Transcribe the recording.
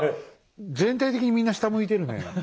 全体的にみんな下向いてるねえ。